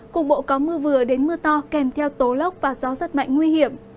cục bộ có mưa vừa đến mưa to kèm theo tố lốc và gió rất mạnh nguy hiểm